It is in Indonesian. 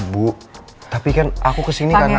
bu tapi kan aku kesini karena